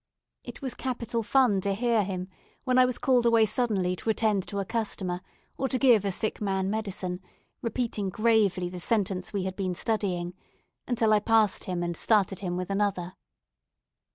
It was capital fun to hear him, when I was called away suddenly to attend to a customer, or to give a sick man medicine, repeating gravely the sentence we had been studying, until I passed him, and started him with another.